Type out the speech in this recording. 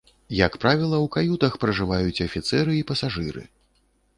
Як правіла, у каютах пражываюць афіцэры і пасажыры.